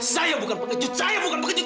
saya bukan pengejut saya bukan pengejut